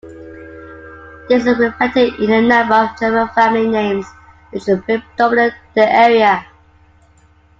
This is reflected in the number of German family names which predominate the area.